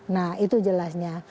nah itu jelasnya